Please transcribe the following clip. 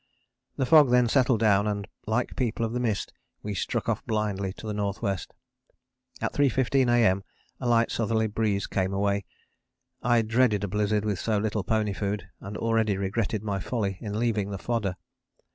The fog then settled down and like people of the mist, we struck off blindly to the N.W. At 3.15 A.M. a light S. breeze came away; I dreaded a blizzard with so little pony food, and already regretted my folly in leaving the fodder.